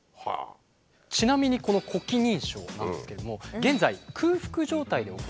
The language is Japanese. ちなみにこの呼気認証なんですけども現在空腹状態で行うという条件が。